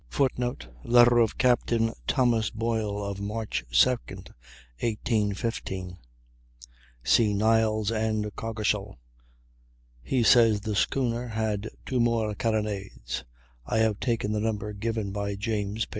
[Footnote: Letter of Captain Thomas Boyle, of March 2, 1815 (see Niles and Coggeshall); he says the schooner had two more carronades; I have taken the number given by James (p.